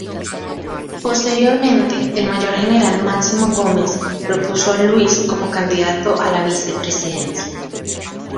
Posteriormente, el Mayor general Máximo Gómez, propuso a Luis como candidato a la vicepresidencia.